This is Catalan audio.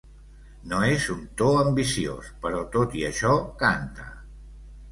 No és un to ambiciós, però tot i això canta.